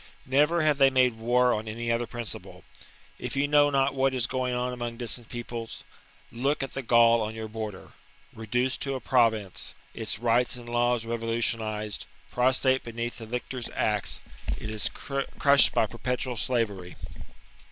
Never have they made war on any other principle. If you know not what is going on among distant peoples, look at the Gaul on your border : reduced to a province, its rights and laws revolutionized, prostrate beneath the lictor's axe, it is crushed by perpetual slavery."